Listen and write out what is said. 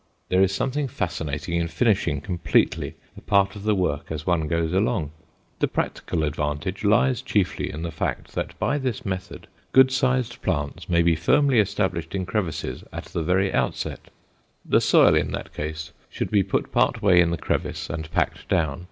There is something fascinating in finishing completely a part of the work as one goes along. The practical advantage lies chiefly in the fact that by this method good sized plants may be firmly established in crevices at the very outset. The soil in that case should be put part way in the crevice and packed down.